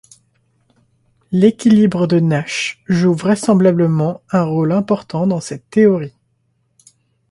L'équilibre de Nash joue vraisemblablement un rôle important dans cette théorie.